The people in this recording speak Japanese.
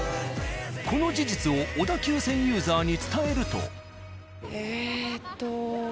この事実を小田急線ユーザーに伝えると。